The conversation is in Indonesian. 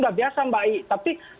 sudah biasa mbak i tapi